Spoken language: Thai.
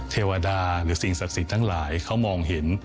เทวดาหรือสิ่งศักดิ์สิทธิ์ทั้งหลายเขามองเห็น